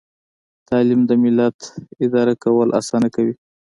تعلیم د ملت اداره کول اسانه کوي.